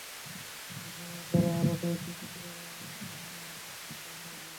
এ সময়ে তার আরো কয়েকটি পুত্র-কন্যার জন্ম হয়।